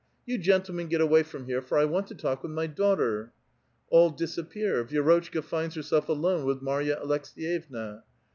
" You gentlemen get away from here, lor 1 want to talk with my daughter." All disappear. Vierotclika finds herself alone with Marya Aleks^yevna.